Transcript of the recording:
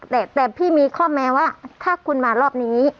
แต่พี่มีข้อแม้ว่าถ้าคุณมารอบนี้